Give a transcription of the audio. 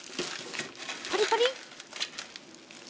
パリパリッ。